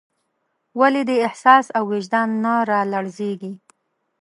ولې دې احساس او وجدان نه رالړزېږي.